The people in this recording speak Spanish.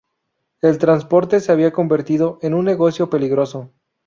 El transporte se había convertido en un negocio peligroso.